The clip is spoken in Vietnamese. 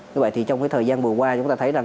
như vậy trong thời gian vừa qua chúng ta thấy